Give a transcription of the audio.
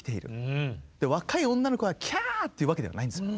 若い女の子がキャー！っていうわけではないんです。